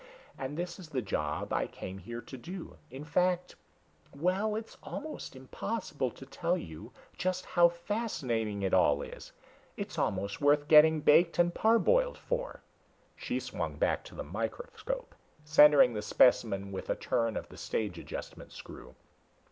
And this is the job I came here to do. In fact ... well, it's almost impossible to tell you just how fascinating it all is! It was almost worth getting baked and parboiled for." She swung back to the microscope, centering the specimen with a turn of the stage adjustment screw.